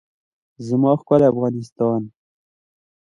زما ښکلی افغانستان.